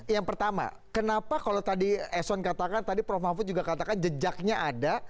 yang pertama kenapa kalau tadi eson katakan tadi prof mahfud juga katakan jejaknya ada